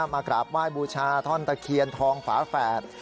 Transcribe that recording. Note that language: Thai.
มากราบไหว้บูชาท่อนตะเคียนทองฝาแฝด